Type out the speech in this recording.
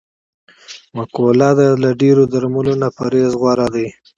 مقوله ده: له ډېری درملو نه پرهېز غور دی.